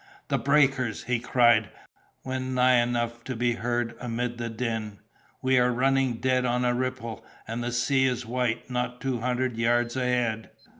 "The breakers!" he cried, when nigh enough to be heard amid the din: "we are running dead on a ripple, and the sea is white not two hundred yards ahead."